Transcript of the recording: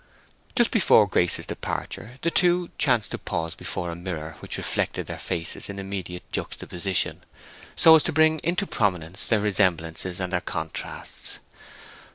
Just before Grace's departure the two chanced to pause before a mirror which reflected their faces in immediate juxtaposition, so as to bring into prominence their resemblances and their contrasts.